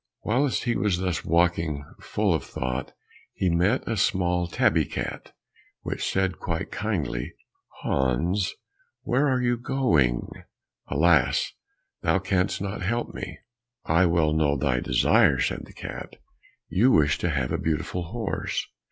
Whilst he was thus walking full of thought, he met a small tabby cat which said quite kindly, "Hans, where are you going?" "Alas, thou canst not help me." "I well know your desire," said the cat. "You wish to have a beautiful horse.